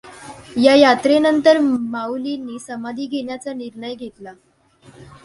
या यात्रेनंतर माउलींनी समाधी घेण्याचा निर्णय घेतला.